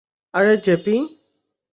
আরে, জেপি!